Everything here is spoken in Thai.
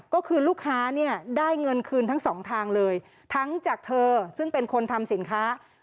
ก็คือลูกค้าเนี่ยได้เงินคืนทั้งสองทางเลยทั้งจากเธอซึ่งเป็นคนทำสินค้า